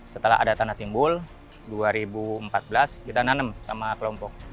setelah ada tanah timbul dua ribu empat belas kita nanem sama kelompok